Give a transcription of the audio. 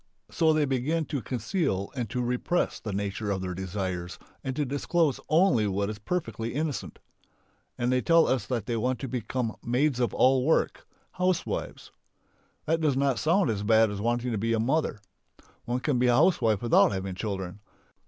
So they begin to conceal and to repress the nature of their desires and to disclose only what is perfectly innocent. And they tell us they want to become "maids of all work," housewives. That does not sound as bad as wanting to be "mother." One can be a housewife without having children.